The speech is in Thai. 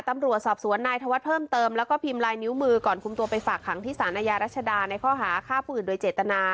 ตำรวจสอบสวนนายธวัฒน์เพิ่มเติมแล้วก็พิมพ์ลายนิ้วมือก่อนคุมตัวไปฝากขังที่สารอาญารัชดาในข้อหาฆ่าผู้อื่นโดยเจตนา